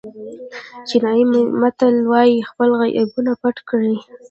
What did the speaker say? چینایي متل وایي خپل عیبونه پټ کړئ.